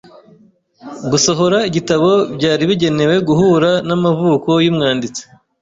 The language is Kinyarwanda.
Gusohora igitabo byari bigenewe guhura n'amavuko y'umwanditsi.